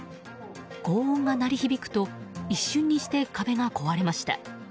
轟音が鳴り響くと一瞬にして壁が壊れました。